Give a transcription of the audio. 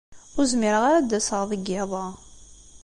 Ur zmireɣ ara ad d-aseɣ deg yiḍ-a.